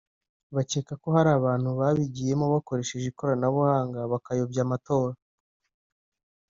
bakeka ko hari abantu babigiyemo bakoresheje ikoranabuhanga bakayobya amatora